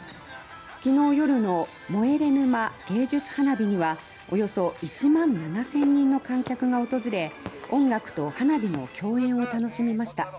昨日夜のモエレ沼芸術花火にはおよそ１万７０００人の観客が訪れ音楽と花火の共演を楽しみました。